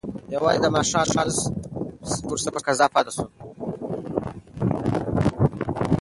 یوازې د ماښام لمونځ ترې په قضا کې پاتې شوی و.